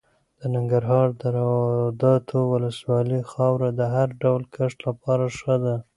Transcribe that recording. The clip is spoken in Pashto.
د ننګرهار د روداتو ولسوالۍ خاوره د هر ډول کښت لپاره ښه ده.